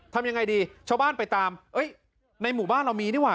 ทำยังไงดีชาวบ้านไปตามในหมู่บ้านเรามีนี่ว่